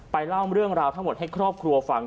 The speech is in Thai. เล่าเรื่องราวทั้งหมดให้ครอบครัวฟัง